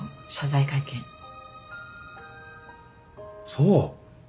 そう。